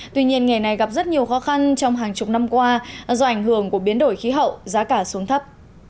tuy nhiên nghề này gặp rất nhiều khó khăn trong hàng chục năm qua do ảnh hưởng của biến đổi khí hậu giá cả xuống thấp